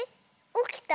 おきた？